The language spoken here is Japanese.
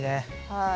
はい。